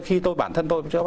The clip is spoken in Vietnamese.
khi tôi bản thân tôi